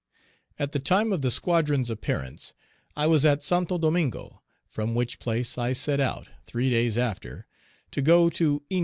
At the time of the squadron's appearance, I was at Santo Domingo, from which place I set out, three days after, to go to Hinche.